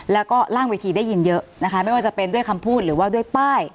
แล้วก็ล่างเวทีได้ยินเยอะนะคะไม่ว่าจะเป็นด้วยคำพูดหรือว่าด้วยป้าย